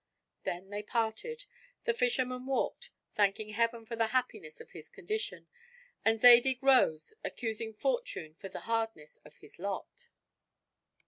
They then parted, the fisherman walked, thanking Heaven for the happiness of his condition; and Zadig rode, accusing fortune for the hardness of his lot.